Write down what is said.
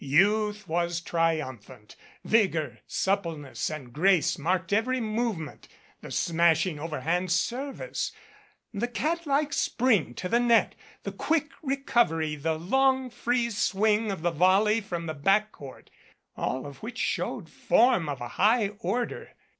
Youth was triumphant. Vigor, suppleness and grace marked every movement, the smash ing overhand service, the cat like spring to the net, the quick recovery, the long free swing of the volley from the back court, all of which showed form of a high order.